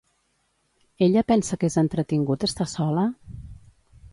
Ella pensa que és entretingut estar sola?